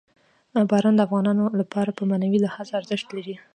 باران د افغانانو لپاره په معنوي لحاظ ارزښت لري.